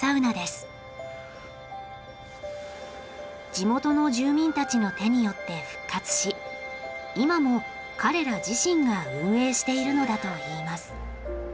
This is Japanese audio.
地元の住民たちの手によって復活し今も彼ら自身が運営しているのだといいます。